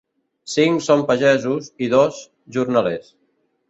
Cinc són pagesos i dos, jornalers.